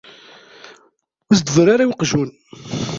Ur as-d-berru ara i weqjun.